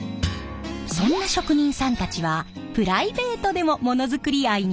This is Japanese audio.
そんな職人さんたちはプライベートでもモノづくり愛にあふれているようで。